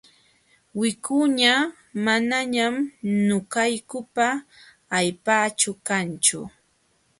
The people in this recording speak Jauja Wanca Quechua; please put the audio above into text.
Wikuña manañam ñuqaykupa allpaaćhu kanchu.